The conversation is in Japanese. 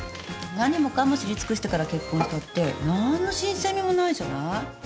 何もかも知り尽くしてから結婚したって何の新鮮味もないじゃない。